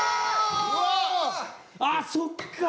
ああそっか。